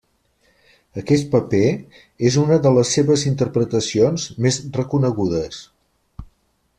Aquest paper és una de les seves interpretacions més reconegudes.